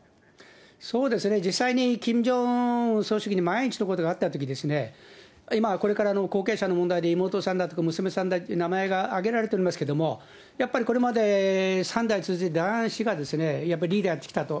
そうですね、実際にキム・ジョンウン総書記に万一のことがあったときにですね、今これから、後継者の問題で、妹さんだとか娘さんだとか名前が挙げられてると思いますけども、やっぱりこれまで、３代続いた男子がやっぱりリーダーやってきたと。